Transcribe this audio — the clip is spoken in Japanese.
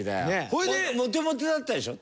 それでモテモテだったでしょ？